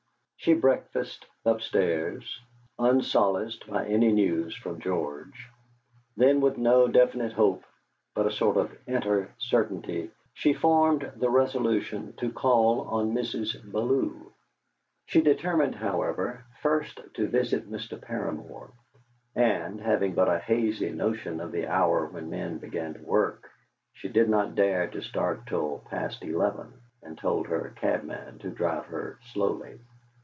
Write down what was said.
She breakfasted upstairs, unsolaced by any news from George. Then with no definite hope, but a sort of inner certainty, she formed the resolution to call on Mrs. Bellew. She determined, however, first to visit Mr. Paramor, and, having but a hazy notion of the hour when men begin to work, she did not dare to start till past eleven, and told her cabman to drive her slowly.